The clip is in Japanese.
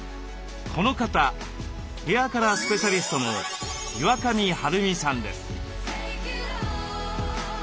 この方ヘアカラースペシャリストの岩上晴美さんです。